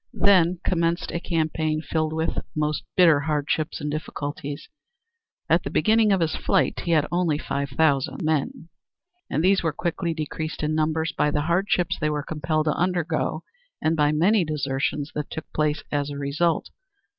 Then commenced a campaign filled with most bitter hardships and difficulties. At the beginning of his flight he had only five thousand men and these were quickly decreased in numbers by the hardships they were compelled to undergo, and by many desertions that took place as a result.